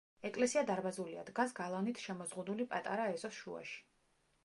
ეკლესია დარბაზულია, დგას გალავნით შემოზღუდული პატარა ეზოს შუაში.